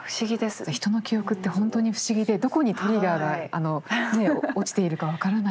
人の記憶って本当に不思議でどこにトリガーがあのねえ落ちているか分からないというか。